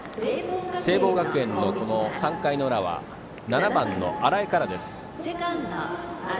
聖望学園の３回の裏は７番の荒江からです。